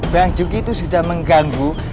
bang juki itu sudah mengganggu